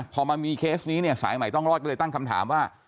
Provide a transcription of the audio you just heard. พอมามีเคสนี้เนี่ยสายใหม่ต้องรอดก็เลยตั้งคำถามว่า